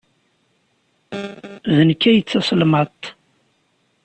D nekk ay d taselmadt.